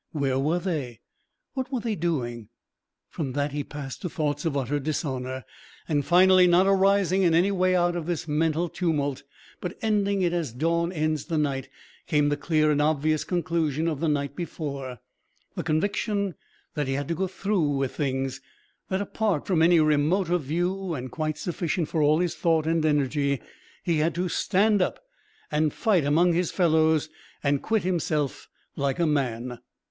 Where were they? What were they doing? From that he passed to thoughts of utter dishonour. And finally, not arising in any way out of this mental tumult, but ending it as dawn ends the night, came the clear and obvious conclusion of the night before: the conviction that he had to go through with things; that, apart from any remoter view and quite sufficient for all his thought and energy, he had to stand up and fight among his fellows and quit himself like a man.